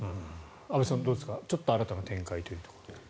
安部さん、どうですか新たな展開ということで。